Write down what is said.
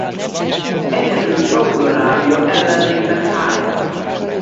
Egyedül Szaúd-Arábia ellen lépett pályára.